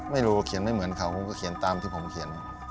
ไม่รู้เขียนไม่เหมือนเขาผมก็เขียนตามที่ผมเขียน